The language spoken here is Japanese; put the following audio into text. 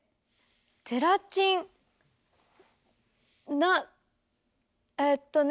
ゼラチンなえっとねぇ。